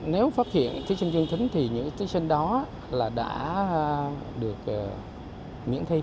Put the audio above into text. nếu phát hiện thí sinh dương tính thì những thí sinh đó đã được miễn thi